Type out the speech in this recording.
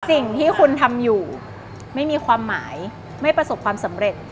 สิ่งที่คุณทำอยู่ไม่มีความหมายไม่ประสบความสำเร็จ